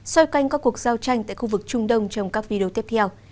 so với các cuộc giao tranh tại khu vực trung đông trong các video tiếp theo